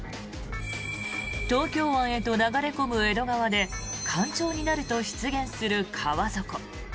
東京湾へと流れ込む江戸川で干潮になると出現する川底。